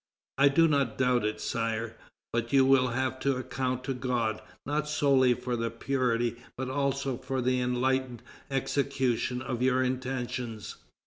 "I do not doubt it, Sire; but you will have to account to God, not solely for the purity but also for the enlightened execution of your intentions.